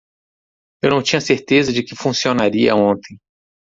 Eu não tinha certeza de que funcionaria ontem.